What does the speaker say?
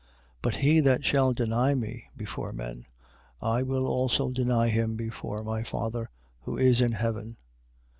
10:33. But he that shall deny me before men, I will also deny him before my Father who is in heaven.